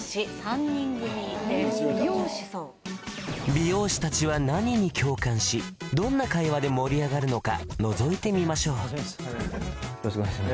美容師達は何に共感しどんな会話で盛り上がるのかのぞいてみましょうよろしくお願いします